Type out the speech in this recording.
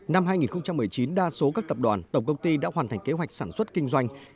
năm hai nghìn một mươi chín đa số các tập đoàn tổng công ty đã hoàn thành kế hoạch sản xuất kinh doanh